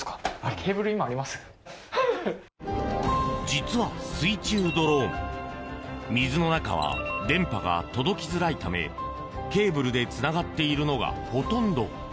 実は水中ドローン水の中は電波が届きづらいためケーブルでつながっているのがほとんど。